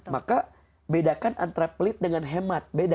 maka bedakan antara pelit dengan hemat beda